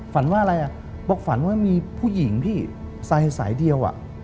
ฝันว่าอะไรอ่ะบอกฝันว่ามีผู้หญิงพี่ใส่สายเดียว